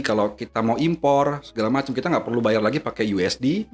kalau kita mau impor segala macam kita nggak perlu bayar lagi pakai usd